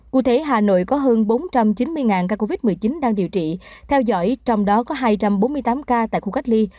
cụ thể hà nội có hơn bốn trăm chín mươi ca covid một mươi chín đang điều trị theo dõi trong đó có hai trăm bốn mươi tám ca tại khu cách ly